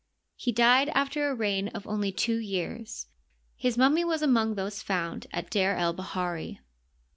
He died after a reign of only two years. His mummy was among those found at D^r el baMri.